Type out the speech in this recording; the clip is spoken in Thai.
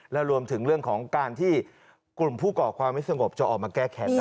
และรวมถึงเรื่องของการที่กลุ่มผู้ก่อความไม่สงบจะออกมาแก้แค้น